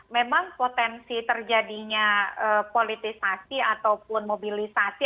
memang potensi terjadinya politisasi ataupun mobilisasi